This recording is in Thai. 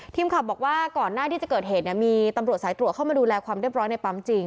ขับบอกว่าก่อนหน้าที่จะเกิดเหตุเนี่ยมีตำรวจสายตรวจเข้ามาดูแลความเรียบร้อยในปั๊มจริง